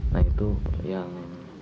nah itu yang